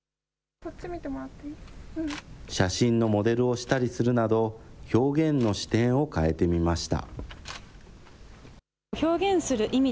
写真のモデルをしたりするなど、表現の視点を変えてみました。